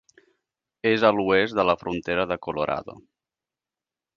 És a l'oest de la frontera de Colorado.